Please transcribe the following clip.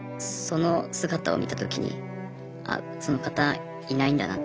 その姿を見た時にあっその方いないんだなと。